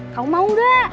kamu mau gak